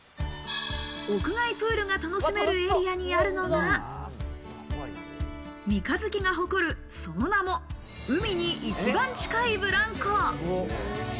屋外プールが楽しめるエリアにあるのが、三日月が誇る、その名も海に一番近いブランコ。